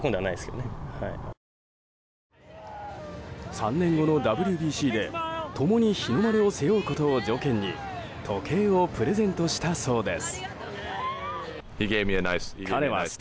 ３年後のＷＢＣで共に日の丸を背負うことを条件に時計をプレゼントしたそうです。